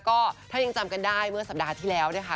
ก็ถ้ายังจำกันได้เมื่อสัปดาห์ที่แล้วนะคะ